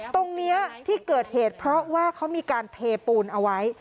ตรงนี้ที่เกิดเหตุเพราะว่าเขามีการเทปูนเอาไว้